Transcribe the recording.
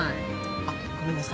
あっごめんなさい。